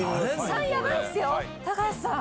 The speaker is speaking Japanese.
３やばいですよ高橋さん。